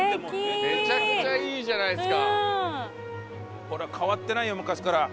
めちゃくちゃいいじゃないですか。